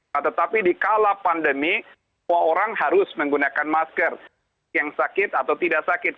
nah tetapi di kala pandemi semua orang harus menggunakan masker yang sakit atau tidak sakit